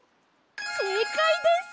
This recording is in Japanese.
せいかいです！